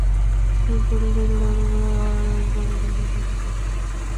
侧耳属的菇类常出现在热带气候和温带气候。